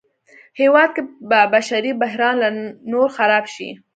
هېواد کې به بشري بحران لا نور خراب شي